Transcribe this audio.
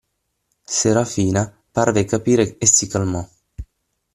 Serafina parve capire e si calmò.